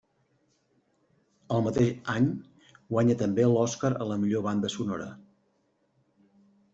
El mateix any guanya també l'Oscar a la millor banda sonora.